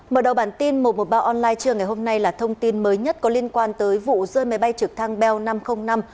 mở đầu bản tin một trăm một mươi ba online trưa ngày hôm nay là thông tin mới nhất có liên quan tới vụ rơi máy bay trực thăng bel năm trăm linh năm